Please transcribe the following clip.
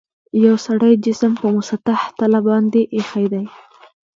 یو سړي جسم په مسطح تله باندې ایښي دي.